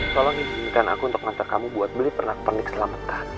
tolong izinkan aku untuk mengantar kamu buat beli pernak pernik selamatan